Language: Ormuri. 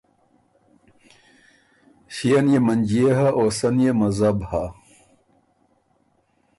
ݭيې نيې منجئے هۀ او سۀ نيې مذهب هۀ۔